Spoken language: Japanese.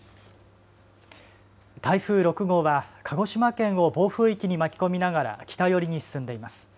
台風６号は鹿児島県を暴風域に巻き込みながら北寄りに進んでいます。